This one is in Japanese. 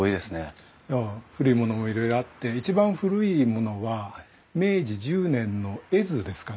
いや古いものもいろいろあって一番古いものは明治１０年の絵図ですかね。